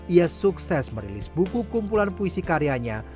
dua ribu sembilan belas ia sukses merilis buku kumpulan puisi karyanya